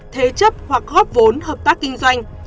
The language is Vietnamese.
thế chấp hoặc góp vốn hợp tác kinh doanh